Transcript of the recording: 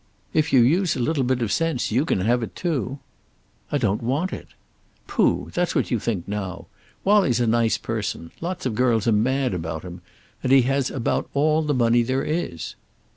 "If you use a little bit of sense, you can have it too." "I don't want things." "Pooh! That's what you think now. Wallie's a nice person. Lots of girls are mad about him. And he has about all the money there is."